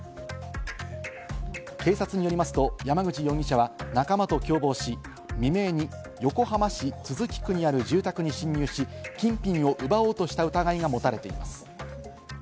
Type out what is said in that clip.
警察によりますと山口容疑者は仲間と共謀し、未明に横浜市都筑区にある住宅に侵入し、金品を奪おうとした疑いが持たれています。